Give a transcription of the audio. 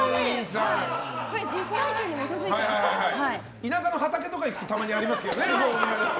田舎の畑とか行くとたまにありますけどね。